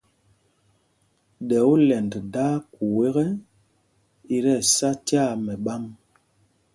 Ɗɛ olɛnd daa kuu ekɛ́, i tí ɛsá tyaa mɛɓám.